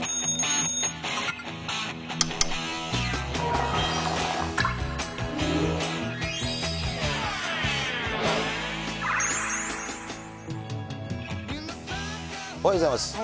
わかるぞおはようございます。